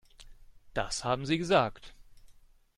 Das haben sie gesagt.